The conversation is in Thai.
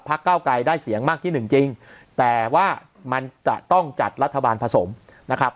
เก้าไกรได้เสียงมากที่หนึ่งจริงแต่ว่ามันจะต้องจัดรัฐบาลผสมนะครับ